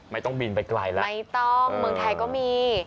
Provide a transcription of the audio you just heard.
ไม่ต้องบินไปไกลแล้วไม่ต้องเมืองไทยก็มี